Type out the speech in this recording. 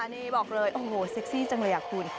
นี่บอกเลยโอ้โหเซ็กซี่จังเลยคุณ